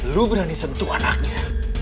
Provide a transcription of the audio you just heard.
lo berani sentuh anaknya